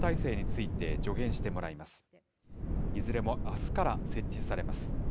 いずれもあすから設置されます。